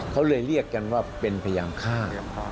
เขาเลยเรียกกันว่าเป็นพยายามฆ่า